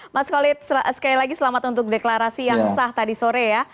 mas khalid sekali lagi selamat untuk deklarasi yang sah tadi sore ya